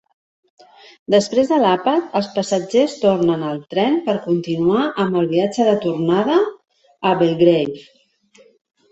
Després de l'àpat, els passatgers tornen al tren per continuar amb el viatge de tornada a Belgrave.